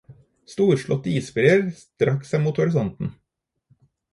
Storslåtte isbreer strakk seg mot horisonten.